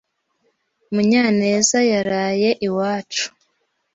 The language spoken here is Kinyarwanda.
Munyanez yaraye iwacu.